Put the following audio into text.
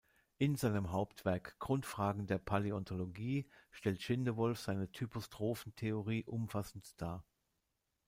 In seinem Hauptwerk "Grundfragen der Paläontologie" stellt Schindewolf seine Typostrophen-Theorie umfassend dar.